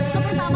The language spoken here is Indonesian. bekerja pm tikar